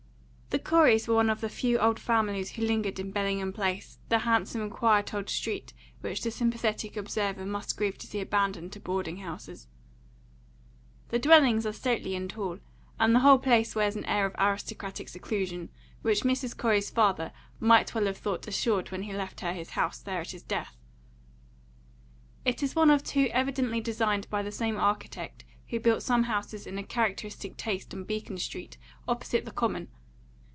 THE Coreys were one of the few old families who lingered in Bellingham Place, the handsome, quiet old street which the sympathetic observer must grieve to see abandoned to boarding houses. The dwellings are stately and tall, and the whole place wears an air of aristocratic seclusion, which Mrs. Corey's father might well have thought assured when he left her his house there at his death. It is one of two evidently designed by the same architect who built some houses in a characteristic taste on Beacon Street opposite the Common.